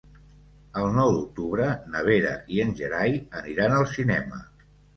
El nou d'octubre na Vera i en Gerai aniran al cinema.